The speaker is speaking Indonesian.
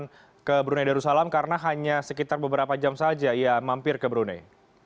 yang ke brunei darussalam karena hanya sekitar beberapa jam saja ia mampir ke brunei